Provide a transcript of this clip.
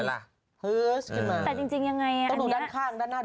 อันนี้คืออะไร